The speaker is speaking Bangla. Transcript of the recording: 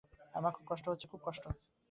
আমার খুব কষ্ট হচ্ছে, খুব কষ্ট।